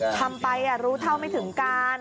ทำไปรู้เท่าไม่ถึงการ